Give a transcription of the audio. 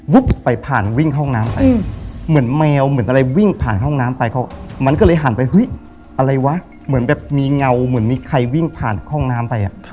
วุ๊บไปผ่านวิ่งห้องน้ำไปเหมือนแมวเหมือนอะไรวิ่งผ่านห้องน้ำไป